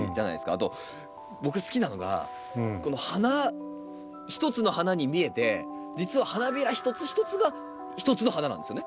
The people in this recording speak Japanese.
あと僕好きなのがこの花ひとつの花に見えて実は花びらひとつひとつがひとつの花なんですよね。